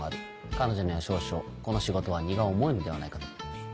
彼女には少々この仕事は荷が重いのではないかと。